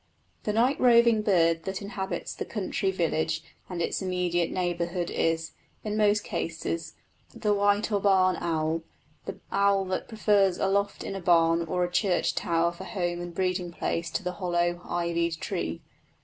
The night roving bird that inhabits the country village and its immediate neighbourhood is, in most cases, the white or barn owl, the owl that prefers a loft in a barn or a church tower for home and breeding place to the hollow, ivied tree.